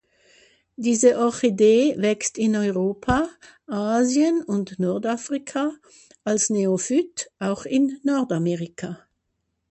Diese Orchidee wächst in Europa, Asien und Nordafrika, als Neophyt auch in Nordamerika.